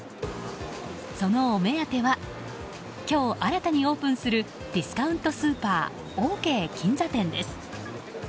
そのお目当ては今日新たにオープンするディスカウントスーパーオーケー銀座店です。